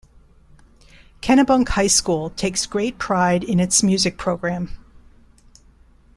Kennebunk High School takes great pride in its music program.